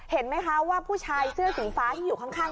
เห็นไหมคะว่าผู้ชายเสื้อสีฟ้าที่อยู่ข้าง